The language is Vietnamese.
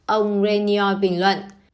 ông renioi bình luận